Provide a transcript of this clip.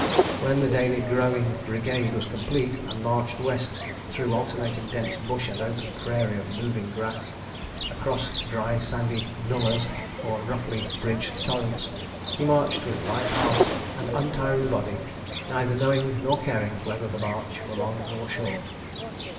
When the daily growing Brigade was complete, and marched west through alternating dense bush and open prairie of moving grass, across dry sandy nullahs or roughly bridged torrents, he marched with light heart and untiring body, neither knowing nor caring whether the march were long or short.